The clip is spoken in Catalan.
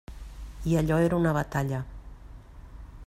I allò era una batalla.